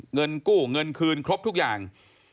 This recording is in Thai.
เงินกู้เงินคืนครบทุกอย่าง